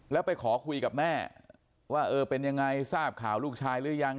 แล้วไปขอคุยกับแม่ว่าเออเป็นยังไงทราบข่าวลูกชายหรือยัง